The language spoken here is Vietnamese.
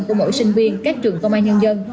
của mỗi sinh viên các trường phong mai nhân dân